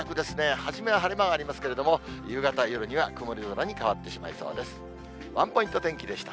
初めは晴れ間がありますけれども、夕方、夜には曇り空に変わってしまいそうです。